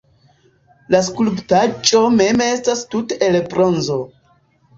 La skulptaĵo mem estas tute el bronzo